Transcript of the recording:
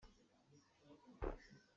Rul nih utlak a dawlh.